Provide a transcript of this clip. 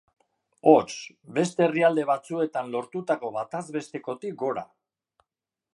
Hots, beste herrialde batzuetan lortutako batazbestekotik gora.